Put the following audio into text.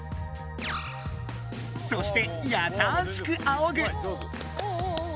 そしてやさしくあおぐ！